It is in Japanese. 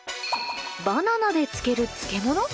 バナナで漬ける漬物？